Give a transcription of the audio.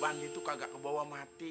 bandi itu kagak kebawa mati